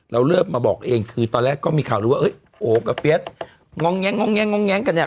เราเริ่มมาบอกเองคือตอนแรกก็มีข่าวรู้ว่าโอกับเฟียสง้องแง้งกันเนี่ย